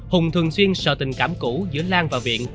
hùng thường xuyên sợ tình cảm cũ giữa lan và viện